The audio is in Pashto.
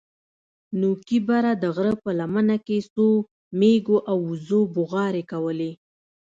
نوكي بره د غره په لمن کښې څو مېږو او وزو بوغارې کولې.